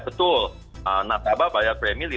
betul nasabah bayar premi